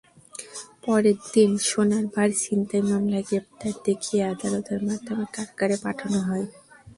পরদিন সোনার বার ছিনতাই মামলায় গ্রেপ্তার দেখিয়ে আদালতের মাধ্যমে কারাগারে পাঠানো হয়।